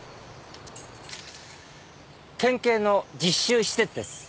県警の実習施設です。